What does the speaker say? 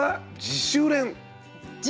自主練？